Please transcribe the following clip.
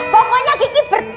pokoknya kiki bertekan